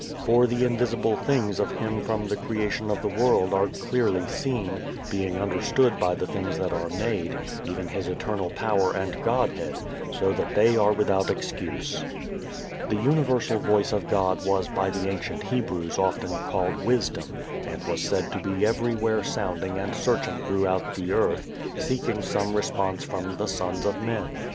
"For the invisible things of him from the creation of the world are clearly seen, being understood by the things that are made, even his eternal power and Godhead; so that they are without excuse." This universal Voice of God was by the ancient Hebrews often called Wisdom, and was said to be everywhere sounding and searching throughout the earth, seeking some response from the sons of men.